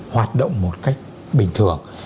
hoạt động một cách bình thường